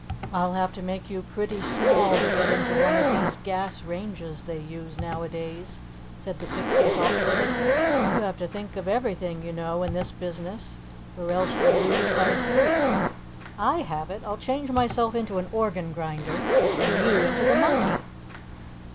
"I'll have to make you pretty small to get into one of these gas ranges they use now a days," said the Pixie thoughtfully. "You have to think of everything, you know, in this business, or else you lose by a fluke. I have it. I'll change myself into an organ grinder, and you into the monkey."